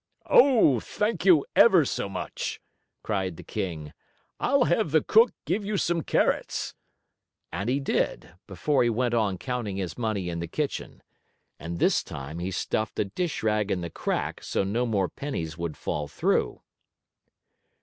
"Oh, thank you ever so much!" cried the king. "I'll have the cook give you some carrots." And he did, before he went on counting his money in the kitchen. And this time he stuffed a dish rag in the crack so no more pennies would fall through.